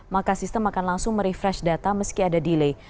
maka sistem akan langsung merefresh data meski ada delay